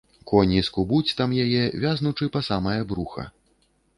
Коні скубуць там яе, вязнучы па самае бруха.